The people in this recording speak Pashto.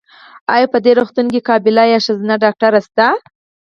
ایا په دي روغتون کې قابیله یا ښځېنه ډاکټره سته؟